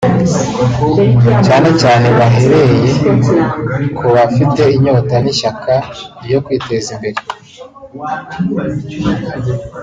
cyane cyane bahereye ku bafite inyota n’ishyaka ryo kwiteza imbere